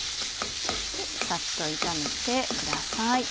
さっと炒めてください。